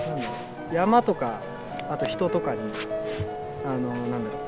山とかあと人とかになんだろう